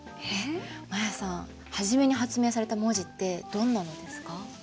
マヤさん初めに発明された文字ってどんなのですか？